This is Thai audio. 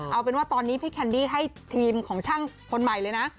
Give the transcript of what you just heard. เอาเป็นว่าตอนนี้พี่แคนดี้ให้ทีมของช่างคนใหม่เลยนะ